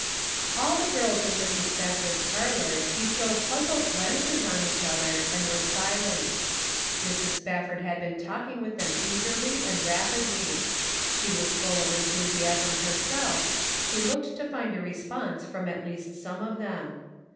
LL the girls in Mrs. Spafford's parlor bestowed puzzled glances on each other, and were silent. Mrs. Spafford had been talking with them eagerly and rapidly. She was full of enthusiasm herself; she looked to find a response from at least some of them.